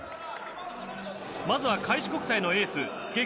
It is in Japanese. まずは開志国際のエース介川